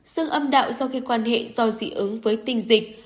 sức âm đạo do khi quan hệ do dị ứng với tinh dịch